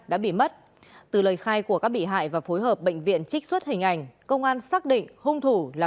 đã bị mất từ lời khai của các bị hại và phối hợp bệnh viện trích xuất hình ảnh công an xác định hung thủ là